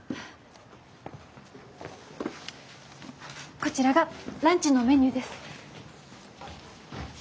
こちらがランチのメニューです。